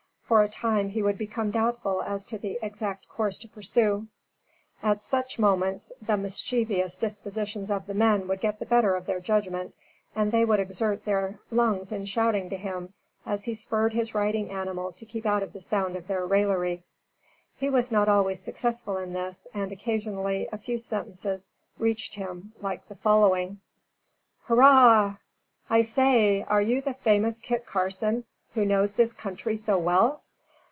For a time, he would become doubtful as to the exact course to pursue. At such moments, the mischievous dispositions of the men would get the better of their judgment, and they would exert their lungs in shouting to him, as he spurred his riding animal to keep out of the sound of their raillery. He was not always successful in this, and occasionally a few sentences reached him like the following: "Hurrah!" "I say! are you the famous Kit Carson, who knows this country so well?"